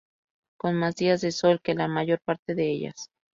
Con más días de sol que la mayor parte de ellas.